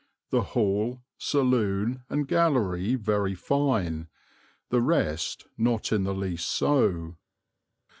The Hall, saloon, and gallery very fine; the rest not in the least so."